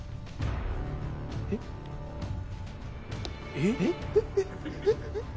えっ？